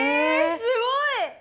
すごい！